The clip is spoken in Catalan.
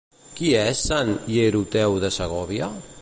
Qui és sant Hieroteu de Segòvia?